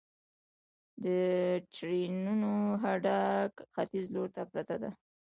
د ټرېنونو هډه ختیځ لور ته پرته ده